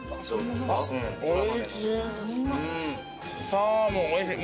サーモンおいしい。